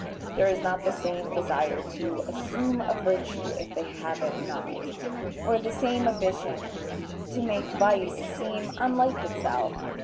There is not the same desire to "assume a virtue, if they have it not," or the same ambition to make vice seem unlike itself.